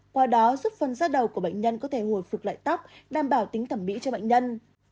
qua đó giúp phần ra đầu của bệnh nhân có thể hồi phục lại tóc đảm bảo tính thẩm mỹ cho bệnh nhân